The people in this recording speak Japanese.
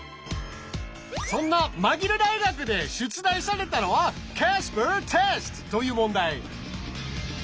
そんなマギル大学で出題されたのはキャスパーテストという問題。